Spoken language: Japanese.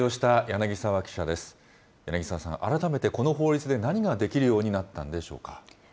柳澤さん、改めてこの法律で何ができるようになったんでしょうか。